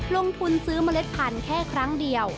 ลงทุนซื้อเมล็ดพันธุ์แค่ครั้งเดียว